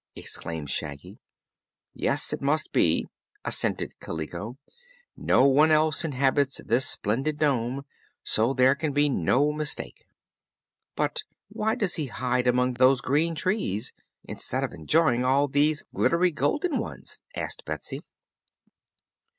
exclaimed Shaggy. "Yes, it must be," assented Kaliko. "No one else inhabits this splendid dome, so there can be no mistake." "But why does he hide among those green trees, instead of enjoying all these glittery golden ones?" asked Betsy.